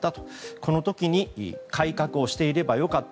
この時に改革をしていればよかった。